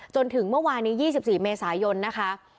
จนถึงเมื่อวานนี้๒๔เมษายนนะคะ